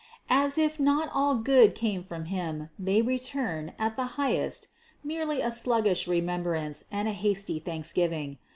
As if not all good came from Him, they return, at the highest, merely a sluggish remembrance and a hasty thanksgiving.